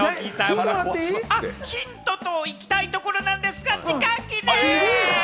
ヒントといきたいところなんですが、時間切れ！